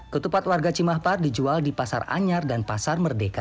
ketupat warga cimahpar dijual di pasar anyar dan pasar merdeka